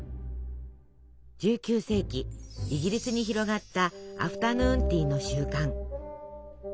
１９世紀イギリスに広がったアフタヌーンティーの習慣。